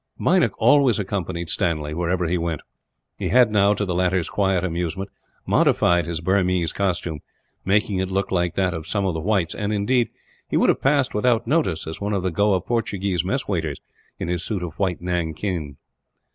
Meinik always accompanied Stanley, wherever he went. He had now, to the latter's quiet amusement, modified his Burmese costume; making it look like that of some of the whites and, indeed, he would have passed without notice as one of the Goa Portuguese mess waiters, in his suit of white nankeen.